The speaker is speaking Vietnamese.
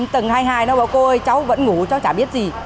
tầng hai mươi hai nó bảo cô ơi cháu vẫn ngủ cháu chả biết gì